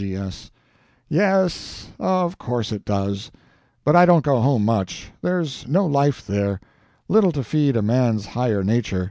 G.S. Yes, of course it does. But I don't go home much. There's no life there little to feed a man's higher nature.